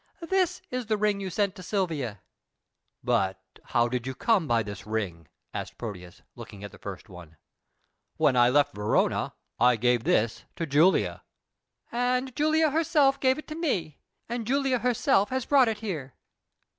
"This is the ring you sent to Silvia." "But how did you come by this ring?" asked Proteus, looking at the first one. "When I left Verona I gave this to Julia." "And Julia herself gave it to me, and Julia herself has brought it here."